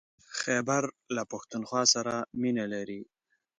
خيبر له پښتونخوا سره مينه لري.